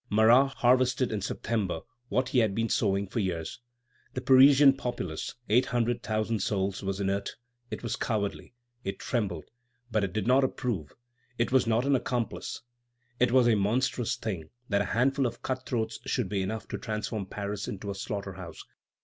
Marat harvested in September what he had been sowing for three years." The Parisian populace, eight hundred thousand souls, was inert; it was cowardly, it trembled; but it did not approve, it was not an accomplice. It was a monstrous thing that a handful of cut throats should be enough to transform Paris into a slaughter house.